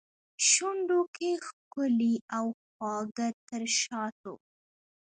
شونډو کې ښکلي او خواږه تر شاتو